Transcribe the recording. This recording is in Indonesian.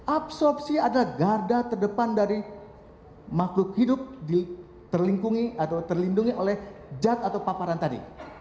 absorpsi adalah garda terdepan dari makhluk hidup terlingkungi atau terlindungi oleh zat atau paparan tadi